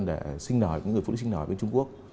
để phụ nữ sinh nở bên trung quốc